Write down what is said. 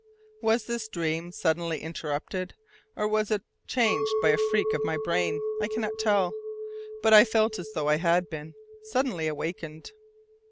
Was this dream suddenly interrupted, or was it changed by a freak of my brain? I cannot tell, but I felt as though I had been suddenly awakened.